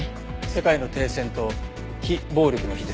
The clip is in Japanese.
世界の停戦と非暴力の日ですね。